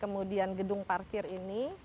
kemudian gedung parkir ini